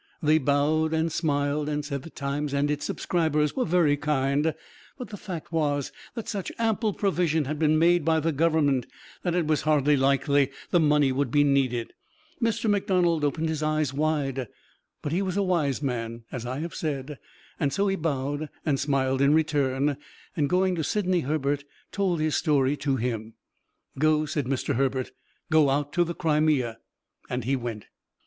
They bowed and smiled and said the Times and its subscribers were very kind, but the fact was that such ample provision had been made by the Government that it was hardly likely the money would be needed. Mr. McDonald opened his eyes wide; but he was a wise man, as I have said; so he bowed and smiled in return, and going to Sidney Herbert, told his story to him. "Go!" said Mr. Herbert; "Go out to the Crimea!" and he went.